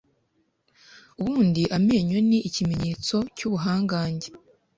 Ubundi amenyo ni ikimenyetso cy’ubuhangange